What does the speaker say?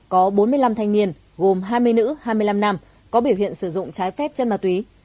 có bốn mươi năm thành niên gồm hai mươi nữ hai mươi năm năm có biểu hiện sử dụng trái phép chân ma túy